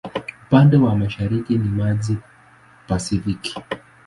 Upande wa mashariki ni maji ya Pasifiki.